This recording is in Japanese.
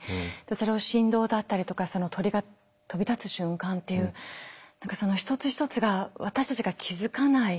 それを振動だったりとか鳥が飛び立つ瞬間っていうその一つ一つが私たちが気付かない